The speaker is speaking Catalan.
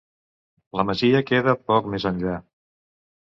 La masia queda poc més enllà.